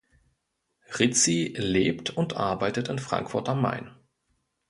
Rizzi lebt und arbeitet in Frankfurt am Main.